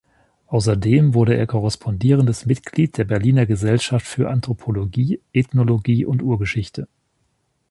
Außerdem wurde er korrespondierendes Mitglied der Berliner Gesellschaft für Anthropologie, Ethnologie und Urgeschichte.